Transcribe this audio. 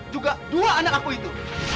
juga dua anak aku itu